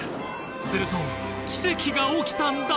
すると奇跡が起きたんだ！